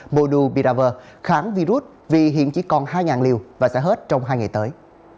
monulpiravir kháng virus vì hiện chỉ còn hai liều và sẽ hết trong hai ngày tới